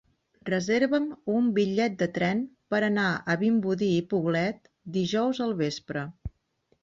Reserva'm un bitllet de tren per anar a Vimbodí i Poblet dijous al vespre.